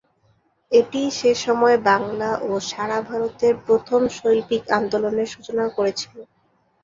এটিই সেসময় বাংলা ও সারা ভারতে প্রথম শৈল্পিক আন্দোলনের সূচনা করেছিল।